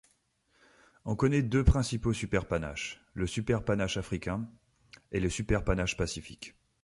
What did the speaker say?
On connaît deux principaux superpanaches, le superpanache africain et le superpanache pacifique.